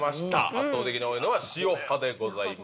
圧倒的に多いのは塩派でございます。